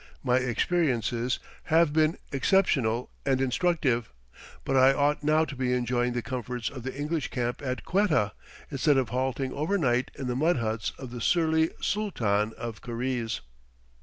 My experiences have been exceptional and instructive, but I ought now to be enjoying the comforts of the English camp at Quetta, instead of halting overnight in the mud huts of the surly Sooltan of Karize.